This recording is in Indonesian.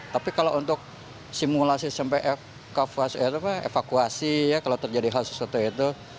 tapi kalau untuk simulasi sampai evakuasi ya kalau terjadi hal sesuatu itu